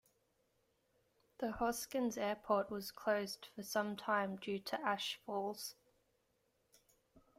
The Hoskins airport was closed for some time due to ash falls.